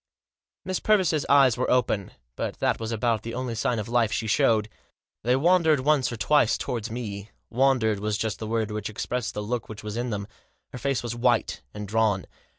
Miss Purvis* eyes were open, but that was about the only sign of life she showed. They wandered once or twice towards me ; wandered was just the word which expressed the look which was in them. Her face was white and drawn.